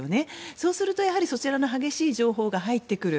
そうすると、そちらの激しい情報が入ってくる。